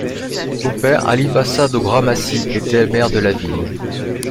Son père, Ali Paşa Doğramacı, était le maire de la ville.